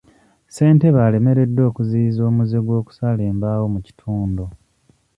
Ssentebe alemereddwa okuziyiza omuze gw'okusala embaawo mu kitundu